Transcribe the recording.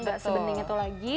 gak sebening itu lagi